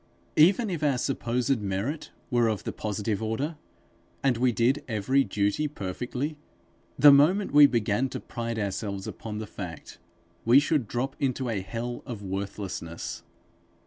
Even if our supposed merit were of the positive order, and we did every duty perfectly, the moment we began to pride ourselves upon the fact, we should drop into a hell of worthlessness.